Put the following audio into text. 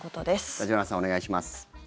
橘さん、お願いします。